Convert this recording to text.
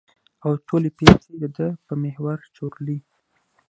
او ټولې پېښې د ده په محور چورلي.